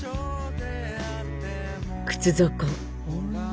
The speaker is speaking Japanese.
靴底。